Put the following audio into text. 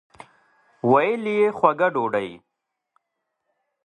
ویل یې خوږه ډوډۍ.